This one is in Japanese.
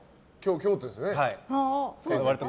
京都ですよね。